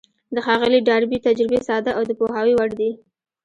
د ښاغلي ډاربي تجربې ساده او د پوهاوي وړ دي.